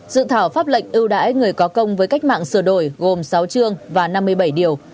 dự thảo pháp lệnh ưu đãi người có công với cách mạng sửa đổi gồm sáu chương và năm mươi bảy điều